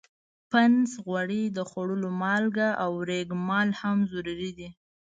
پنس، غوړي، د خوړلو مالګه او ریګ مال هم ضروري دي.